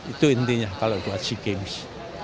itu intinya kalau buat sea games